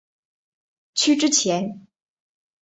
区之前。